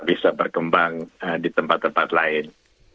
bisa berkembang di tempat tempat lain